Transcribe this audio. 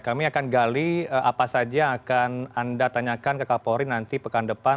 kami akan gali apa saja yang akan anda tanyakan ke kapolri nanti pekan depan